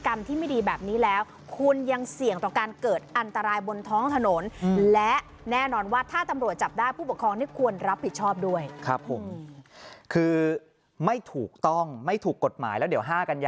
คุณที่คือเขาต้องเอามาโพสต์เพราะอะไร